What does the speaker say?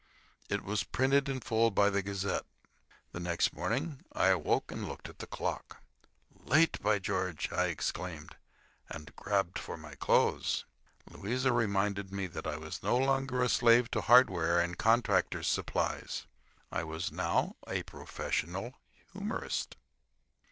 It was printed in full by the Gazette. The next morning I awoke and looked at the clock. "Late, by George!" I exclaimed, and grabbed for my clothes. Louisa reminded me that I was no longer a slave to hardware and contractors' supplies. I was now a professional humorist.